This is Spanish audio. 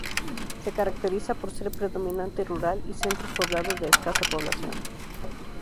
Se caracteriza por ser predominantemente rural y centros poblados de escasa población.